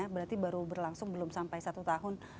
berarti baru berlangsung belum sampai satu tahun